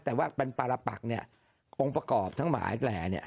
แต่ว่าเป็นปารปักเนี่ยองค์ประกอบทั้งหลายแหล่เนี่ย